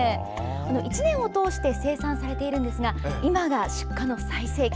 １年を通して生産されていますが今が出荷の最盛期。